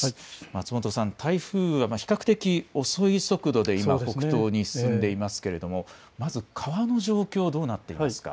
松本さん、台風、比較的遅い速度で北東に進んでいますが、まず川の状況はどうなっていますか。